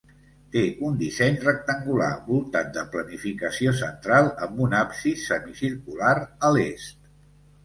Té un disseny rectangular voltat de planificació central, amb un absis semicircular a l'est.